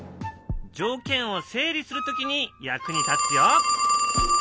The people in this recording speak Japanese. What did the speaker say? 条件を整理する時に役に立つよ。